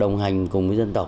đồng hành cùng với dân tộc